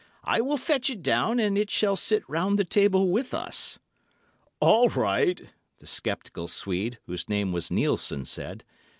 I will fetch it down, and it shall sit round the table with us." "All right!" the sceptical Swede, whose name was Nielssen, said.